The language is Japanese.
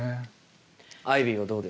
アイビーはどうですか？